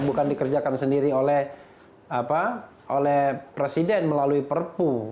bukan dikerjakan sendiri oleh presiden melalui perpu